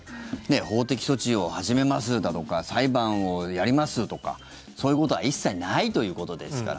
法的措置を始めますだとか裁判をやりますとかそういうことは一切ないということですから。